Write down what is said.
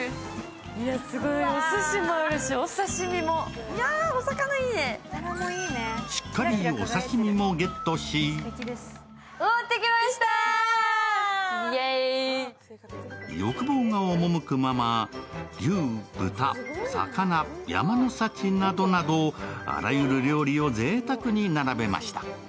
すごい、おすしもあるしお刺身もしっかりお刺身もゲットし欲望が赴くまま牛、豚、魚山の幸などなどあらゆる料理をぜいたくに並べました。